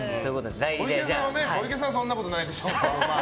小池さんはそんなことないでしょ。